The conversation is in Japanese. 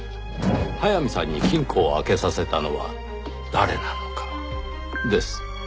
速水さんに金庫を開けさせたのは誰なのかです。